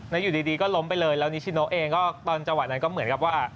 แล้วอยู่ดีก็ล้มไปเลยแล้วนิชิโนเองก็ตอนจังหวะนั้นก็เหมือนกับว่า